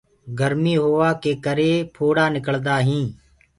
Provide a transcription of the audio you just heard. گرمي هوآ ڪي ڪري ڦوڙآ نِڪݪدآ هينٚ۔